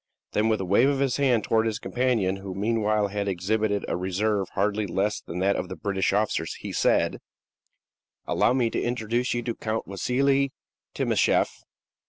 Then, with a wave of his hand towards his companion, who meanwhile had exhibited a reserve hardly less than that of the British officers, he said: "Allow me to introduce you to Count Wassili Timascheff."